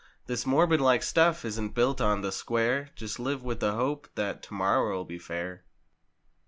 This morbid like stuff isn't built on the square— Just live with the hope that—"Tomorrow'll be fair."